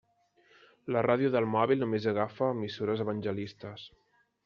La ràdio del mòbil només agafa emissores evangelistes.